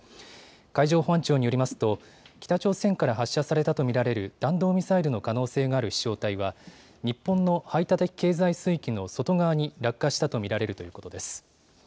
海上保安庁によりますと北朝鮮から発射されたと見られる弾道ミサイルの可能性がある飛しょう体は日本の排他的経済水域の外側に落下したと見られるということです。